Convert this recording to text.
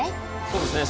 そうですね。